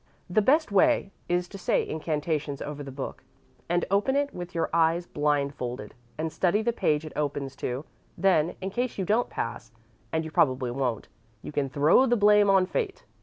The best way is to say incantations over the book, and open it with your eyes blindfolded, and study the page it opens to; then, in case you don't pass, and you probably won't, you can throw the blame on fate.